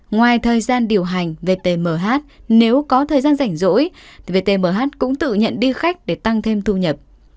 ngoài thời gian điều hành vtmh nếu có thời gian rảnh rỗi vtmh cũng tự nhận đi khách để tăng thêm thu nhập